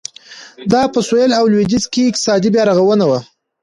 دا په سوېل او لوېدیځ کې اقتصادي بیارغونه وه.